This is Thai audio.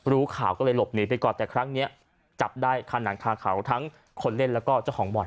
รู้ข่าวก็เลยหลบหนีไปก่อนแต่ครั้งนี้จับได้คันหนังคาเขาทั้งคนเล่นแล้วก็เจ้าของบ่อน